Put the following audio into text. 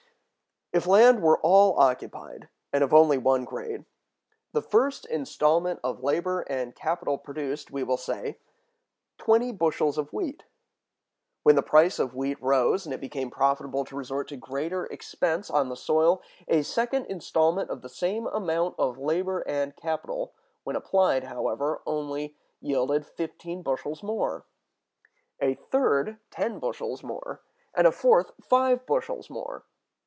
If land were all occupied, and of only one grade, the first installment of labor and capital produced, we will say, twenty bushels of wheat; when the price of wheat rose, and it became profitable to resort to greater expense on the soil, a second installment of the same amount of labor and capital when applied, however, only yielded fifteen bushels more; a third, ten bushels more; and a fourth, five bushels more.